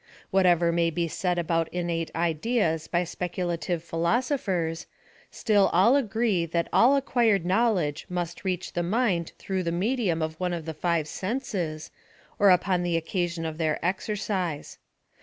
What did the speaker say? Whatever may be said about innate ideas by specu lative philosophers, still all agree that all acquired knowledge must reach the mind through the medi um of one of the five senses, or upon the occasion of their exercise.